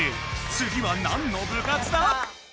つぎはなんの部活だ